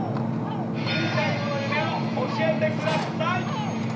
引退後の夢を教えてください。